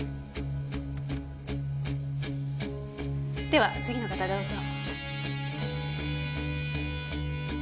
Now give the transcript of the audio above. では次の方どうぞ。